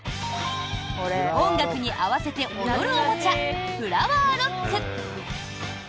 音楽に合わせて踊るおもちゃフラワーロック。